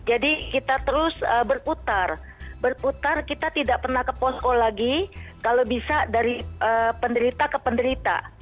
jadi kita terus berputar berputar kita tidak pernah ke posko lagi kalau bisa dari penderita ke penderita